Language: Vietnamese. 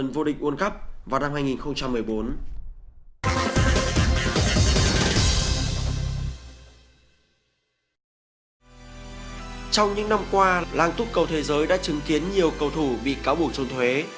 trong những năm qua làng tuc cầu thế giới đã chứng kiến nhiều cầu thủ bị cáo buộc trốn thuế